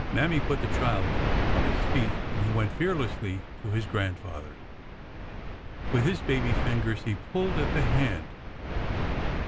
Mammy put the child on his feet, and he went fearlessly to his grand father. With his baby fingers he pulled at the hand.